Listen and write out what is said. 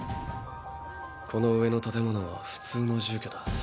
この上の建物は普通の住居だ。